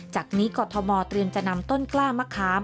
จากนี้กรทมเตรียมจะนำต้นกล้ามะขาม